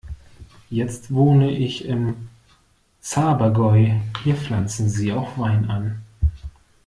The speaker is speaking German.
Jetzt wohne ich im Zabergäu, hier pflanzen sie auch Wein an.